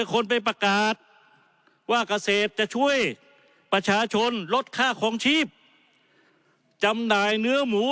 คนนี้ครับข้อค้าม